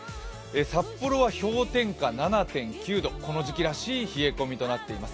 札幌は氷点下７．９度、この時期らしい冷え込みとなっています。